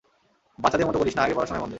বাচ্চাদের মত করিস না আগে পড়াশোনায় মন দে।